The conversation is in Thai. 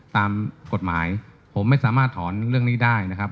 ตามกฎหมายผมไม่สามารถถอนเรื่องนี้ได้นะครับ